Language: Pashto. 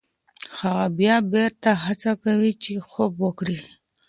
هغه بیا بېرته هڅه کوي چې خوب وکړي.